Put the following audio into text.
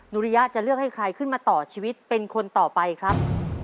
ริยะจะเลือกให้ใครขึ้นมาต่อชีวิตเป็นคนต่อไปครับ